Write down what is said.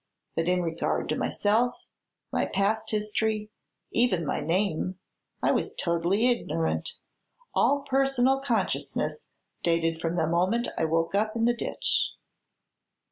But in regard to myself, my past history even my name I was totally ignorant. All personal consciousness dated from the moment I woke up in the ditch."